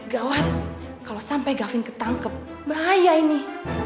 gawat kalau sampai gavin ketangkep bahaya ini